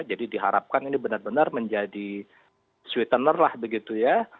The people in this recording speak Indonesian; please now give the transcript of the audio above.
jadi diharapkan ini benar benar menjadi sweetener lah begitu ya